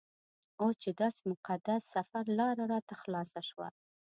اوس چې داسې مقدس سفر لاره راته خلاصه شوه.